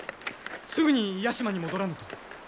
すぐに屋島に戻らぬと。